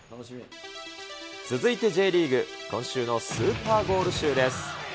続いてＪリーグ、今週のスーパーゴール集です。